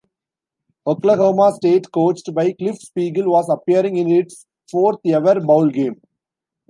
Oklahoma State, coached by Cliff Speegle, was appearing in its fourth ever bowl game.